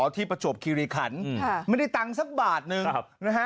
ที่ประโฉบคิริขัลค่ะไม่ได้ตังคสักบาทนึงนะฮะ